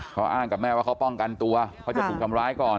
เขาอ้างกับแม่ว่าเขาป้องกันตัวเขาจะถูกทำร้ายก่อน